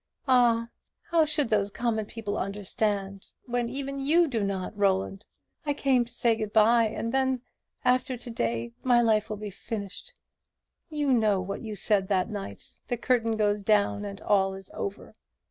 Ah, how should those common people understand, when even you do not, Roland? I came to say good bye; and then, after to day, my life will be finished. You know what you said that night: 'The curtain goes down, and all is over!'